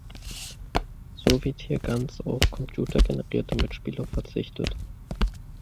So wird hier ganz auf computergenerierte Mitspieler verzichtet.